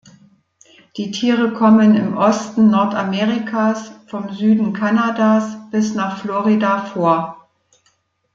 Die Tiere kommen im Osten Nordamerikas vom Süden Kanadas bis nach Florida vor.